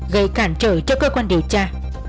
gây cản trở cho cơ quan điều tra